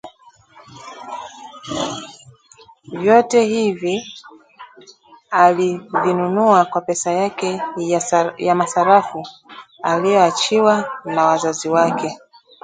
Vyote hivi ailivinunua kwa pesa yake ya masurufu aliyoachiwa na wazazi wake